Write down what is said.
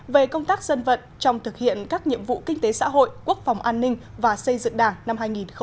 về công tác dân vận trong thực hiện các nhiệm vụ kinh tế xã hội quốc phòng an ninh và xây dựng đảng năm hai nghìn một mươi chín